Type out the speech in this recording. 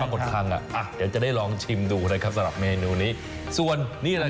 หมดพังอ่ะอ่ะเดี๋ยวจะได้ลองชิมดูนะครับสำหรับเมนูนี้ส่วนนี่แหละ